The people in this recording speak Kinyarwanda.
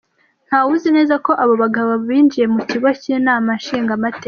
Nta wuzi neza ko abo bagabo binjiye mu kigo c'inama nshingamateka.